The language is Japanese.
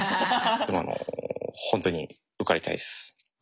でもあの本当に受かりたいです。